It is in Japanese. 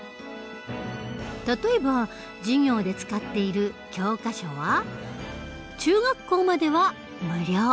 例えば授業で使っている教科書は中学校までは無料。